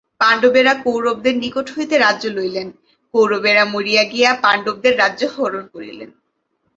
পাণ্ডবেরা কৌরবদের নিকট হইতে রাজ্য লইলেন, কৌরবেরা মরিয়া গিয়া পাণ্ডবদের রাজ্য হরণ করিলেন।